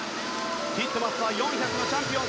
ティットマスは４００のチャンピオン。